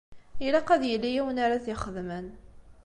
Ilaq ad yili yiwen ara t-ixedmen.